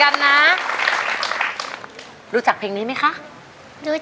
คุณยายแดงคะทำไมต้องซื้อลำโพงและเครื่องเสียง